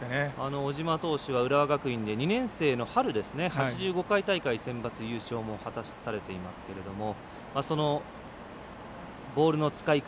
小島投手は浦和学院で２年生の春ですね８５回大会、センバツ優勝も果たされていますけれどもその、ボールの使い方。